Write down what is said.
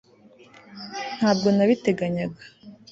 Ntabwo nabiteganyaga